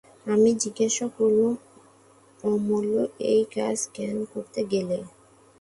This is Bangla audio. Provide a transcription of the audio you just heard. আমি জিজ্ঞাসা করলুম, অমূল্য, এ কাজ কেন করতে গেলে?